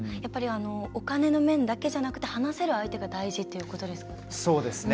お金の面だけじゃなくて話せる相手が大事っていうことですか。